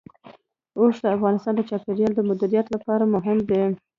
اوښ د افغانستان د چاپیریال د مدیریت لپاره مهم دي.